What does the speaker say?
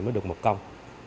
mới được một công